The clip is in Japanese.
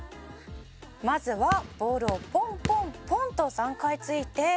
「まずはボールをポンポンポンと３回ついて」